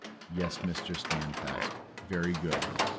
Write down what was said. Yes, Mr. Standfast; very good.